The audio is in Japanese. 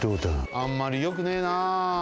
あんまりよくねえな。